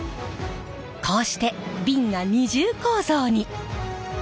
こうして瓶が二重構造に！